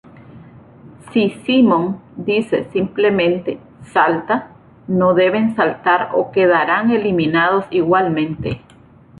Si Simón dice simplemente "salta", no deben saltar o quedarán eliminados igualmente.